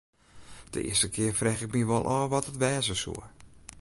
De earste kear frege ik my wol ôf wat it wêze soe.